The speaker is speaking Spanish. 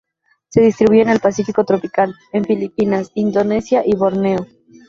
Se distribuye en el Pacífico tropical, en Filipinas, Indonesia y Borneo.